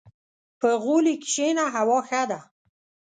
• په غولي کښېنه، هوا ښه ده.